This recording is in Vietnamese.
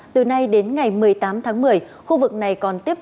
từ nay đến ngày một mươi tám tháng một mươi khu vực này còn tiếp